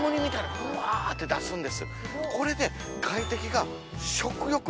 これで。